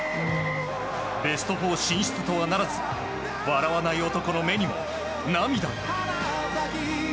ベスト４進出とはならず笑わない男の目にも涙。